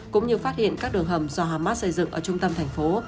cũng như phát hiện các đường hầm do hamas xây dựng ở trung tâm thành phố